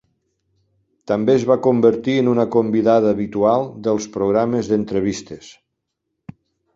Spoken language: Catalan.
També es va convertir en una convidada habitual dels programes d'entrevistes.